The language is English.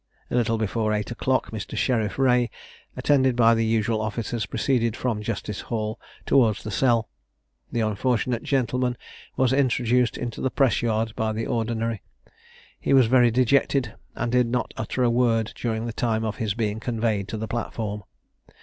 A little before eight o'clock Mr. Sheriff Reay, attended by the usual officers, proceeded from Justice Hall towards the cell. The unfortunate gentleman was introduced into the Press yard by the ordinary: he was very dejected, and did not utter a word during the time of his being conveyed to the platform.